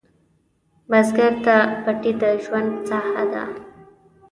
بزګر ته پټی د ژوند ساحه ده